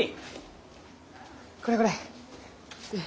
これこれ。